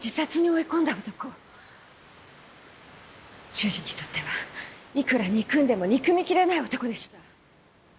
主人にとってはいくら憎んでも憎みきれない男でした。